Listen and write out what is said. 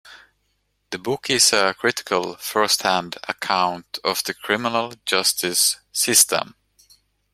The book is a critical first hand account of the criminal justice system.